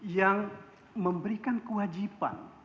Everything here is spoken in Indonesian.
yang memberikan kewajiban